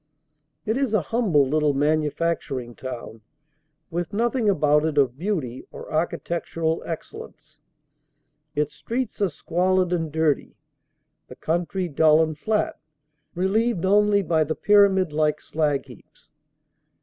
It is a humble little manu facturing town, with nothing about it of beauty or architec tural excellence; its streets are squalid and dirty; the country dull and flat, relieved only by the pyramidlike slag heaps.